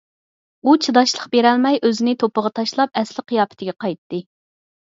ئۇ چىداشلىق بېرەلمەي ئۆزىنى توپىغا تاشلاپ ئەسلىي قىياپىتىگە قايتتى.